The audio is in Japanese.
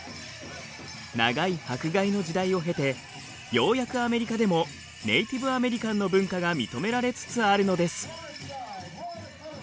長い迫害の時代を経てようやくアメリカでもネイティブアメリカンの文化が認められつつあるのです。